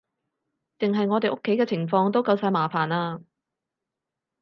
淨係我哋屋企嘅情況都夠晒麻煩喇